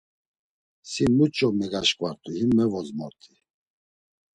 Si muç̌o megaşǩvart̆u him mevozmort̆i.